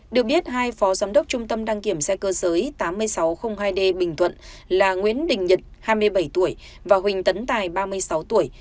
được biết hai phó giám đốc trung tâm đăng kiểm xe cơ giới tám nghìn sáu trăm linh hai d bình thuận là nguyễn đình nhật hai mươi bảy tuổi và huỳnh tấn tài ba mươi sáu tuổi